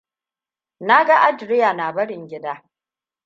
Na ga Adrea na barin gida.